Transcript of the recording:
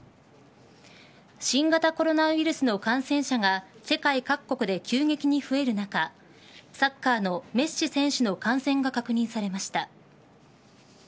新型コロナウイルスの感染者が世界各国で急激に増える中サッカーのメッシ選手の感染が確認されました。